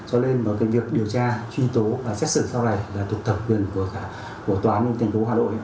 cho nên cái việc điều tra truy tố và xét xử sau này là thuộc thẩm quyền của tòa án tp hà nội